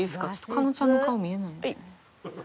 加納ちゃんの顔見えない。